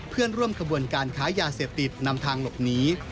เพื่อนร่วมขบวนการค้ายาเสพติดนำทางหลบหนี